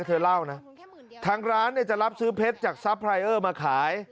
เธอเล่านะทางร้านเนี่ยจะรับซื้อเพชรจากซัพรายเออร์มาขาย